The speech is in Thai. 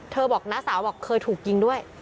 บอกน้าสาวบอกเคยถูกยิงด้วย